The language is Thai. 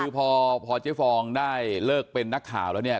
คือพอเจ๊ฟองได้เลิกเป็นนักข่าวแล้วเนี่ย